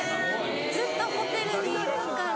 ずっとホテルにいるから。